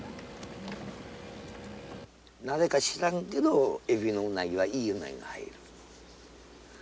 なぜか知らんけどエビのウナギはいいウナギが入る。